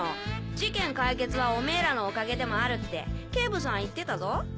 事件解決はオメーらのおかげでもあるって警部さん言ってたぞ。